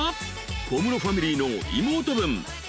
［小室ファミリーの妹分歌手の］